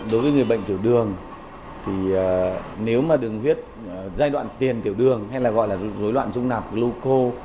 đối với người bệnh tiểu đường thì nếu mà đường huyết giai đoạn tiền tiểu đường hay là gọi là dối loạn dung nạp gluco